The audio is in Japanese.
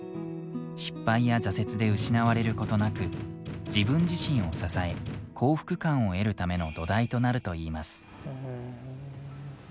失敗や挫折で失われることなく自分自身を支え幸福感を得るための土台となるといいます。